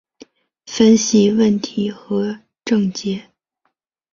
分析问题和症结